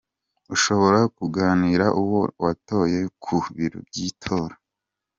Ushobora kuganira uwo watoye ku biro by’itora ?